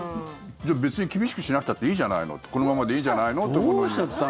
別に厳しくしなくたっていいじゃないのってこのままでいいじゃないのって思いますけど。